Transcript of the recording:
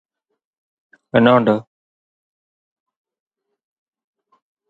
The internationally acclaimed designer showcased his iconic collection at the fashion show.